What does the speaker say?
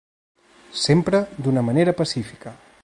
Sempre d’una manera pacífica.